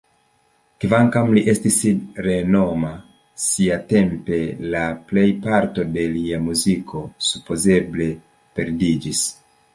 Kvankam li estis renoma siatempe, la plejparto de lia muziko supozeble perdiĝis.